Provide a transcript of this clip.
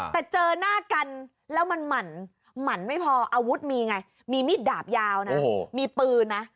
แต่เจอหน้ากันแล้วมันหมั่นไม่พออาวุธมีไงมีมีดดาบยาวนะมีปืนนะ